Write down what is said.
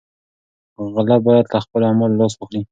غله باید له خپلو اعمالو لاس واخلي.